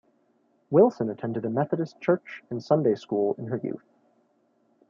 Wilson attended a Methodist church and Sunday School in her youth.